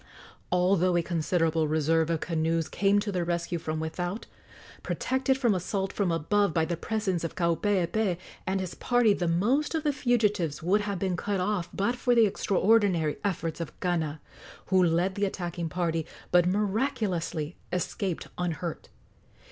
Although a considerable reserve of canoes came to their rescue from without, protected from assault from above by the presence of Kaupeepee and his party, the most of the fugitives would have been cut off but for the extraordinary efforts of Kana, who led the attacking party, but miraculously escaped unhurt.